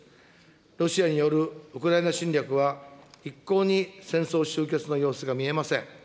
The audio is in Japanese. ロシアによるウクライナ侵略は一向に戦争終結の様子が見えません。